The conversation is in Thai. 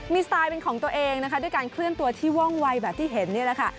มีสไตล์เป็นของตัวเองนะคะด้วยการเคลื่อนตัวที่ว่องวัยแบบที่เห็นนี่แหละค่ะ